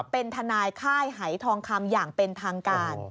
เป็นทนายค่ายหายทองคำอย่างเป็นทางการ